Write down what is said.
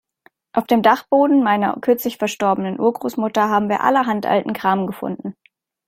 Auf dem Dachboden meiner kürzlich verstorbenen Urgroßmutter haben wir allerhand alten Kram gefunden.